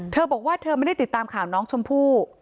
เธอบอกว่าเธอไม่ได้ติดตามข่าวน้องชมพู่